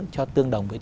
cho tương đồng với